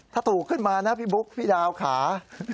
ถ้าถูกขึ้นมานะพี่บุ๊คพี่ดาวค่ะ